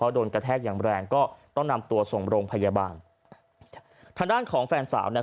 โดนกระแทกอย่างแรงก็ต้องนำตัวส่งโรงพยาบาลทางด้านของแฟนสาวเนี่ย